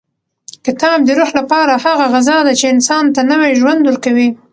کتاب د روح لپاره هغه غذا ده چې انسان ته نوی ژوند ورکوي.